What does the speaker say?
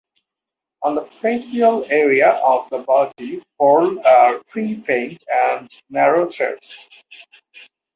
On the fasciole area of the body whorl are three faint and narrow threads.